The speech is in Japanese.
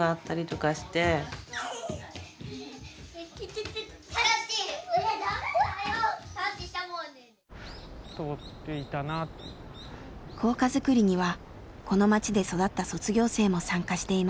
校歌づくりにはこの町で育った卒業生も参加しています。